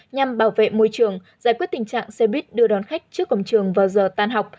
nhằm bảo vệ môi trường giải quyết tình trạng xe buýt đưa đón khách trước cổng trường vào giờ tan học